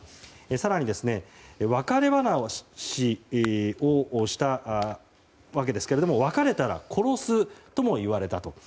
更に別れ話をしたわけですけど別れたら殺すとも言われたと。